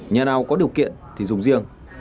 nhà nào có điều kiện thì dùng riêng